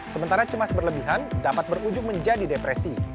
sementara cemas berlebihan dapat berujung menjadi depresi